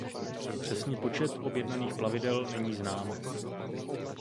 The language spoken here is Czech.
Přesný počet objednaných plavidel není znám.